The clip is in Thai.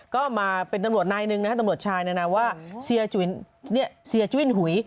ก็มาเป็นตำรวจนายหนึ่งนะฮะตำรวจชายนานาว่าเสียจุ้ยนหุย